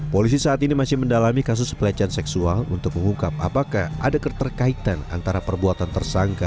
polisi saat ini masih mendalami kasus pelecehan seksual untuk mengungkap apakah ada keterkaitan antara perbuatan tersangka